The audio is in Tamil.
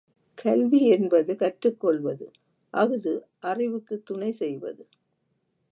கல்வி கல்வி என்பது கற்றுக்கொள்வது அஃது அறிவுக்குத் துணை செய்வது.